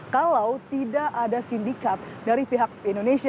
kalau tidak ada sindikat dari pihak indonesia